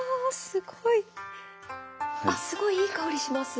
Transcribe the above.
すごいいい香りします！